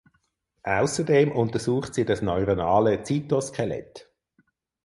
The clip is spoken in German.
Außerdem untersucht sie das neuronale Zytoskelett.